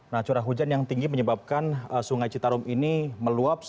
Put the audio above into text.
nah curah hujan yang tinggi menyebabkan sungai citarum ini meluap